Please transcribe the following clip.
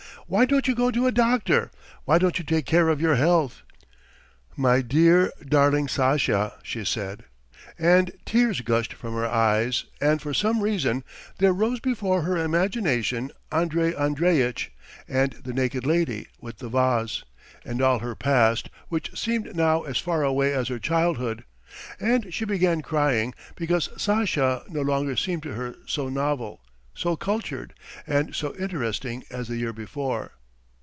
"Why don't you go to a doctor? Why don't you take care of your health? My dear, darling Sasha," she said, and tears gushed from her eyes and for some reason there rose before her imagination Andrey Andreitch and the naked lady with the vase, and all her past which seemed now as far away as her childhood; and she began crying because Sasha no longer seemed to her so novel, so cultured, and so interesting as the year before.